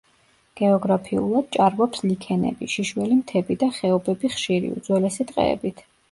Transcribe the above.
გეოგრაფიულად, ჭარბობს ლიქენები, შიშველი მთები და ხეობები ხშირი, უძველესი ტყეებით.